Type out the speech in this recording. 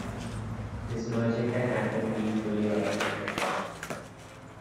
This merging can happen be fully automatic.